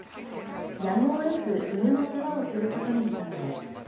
やむをえず犬の世話をすることにしたのです。